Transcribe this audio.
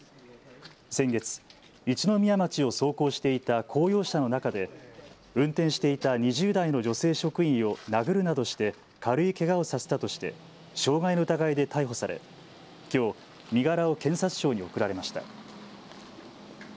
先月、一宮町を走行していた公用車の中で運転していた２０代の女性職員を殴るなどして軽いけがをさせたとして傷害の疑いで逮捕されきょう身柄を検察庁に送られました。